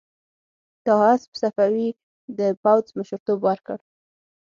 طاهاسپ صفوي د پوځ مشرتوب ورکړ.